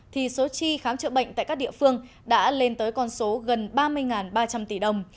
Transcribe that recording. thì số chi khám chữa bệnh tại các địa phương đã lên tới con số gần ba mươi ba trăm linh tỷ đồng